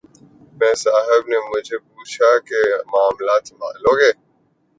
میاں صاحب نے مجھ سے پوچھا کہ معاملات سنبھال لو گے۔